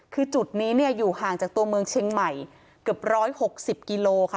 คือจุดนี้เนี่ยอยู่ห่างจากตัวเมืองเชียงใหม่เกือบร้อยหกสิบกิโลค่ะ